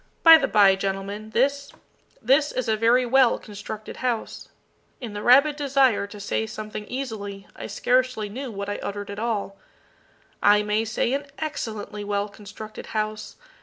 By the by, gentlemen, this this is a very well constructed house," [In the rabid desire to say something easily, I scarcely knew what I uttered at all,] "I may say an excellently well constructed house.